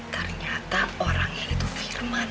ternyata orang itu firman